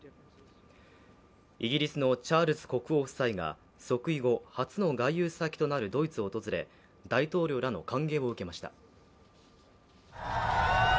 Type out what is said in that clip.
イギリスのチャールズ国王夫妻が即位後、初の外遊先となるドイツを訪れ、大統領らの歓迎を受けました。